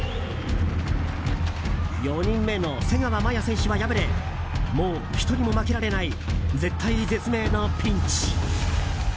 ４人目の瀬川麻優選手は敗れもう１人も負けられない絶体絶命のピンチ。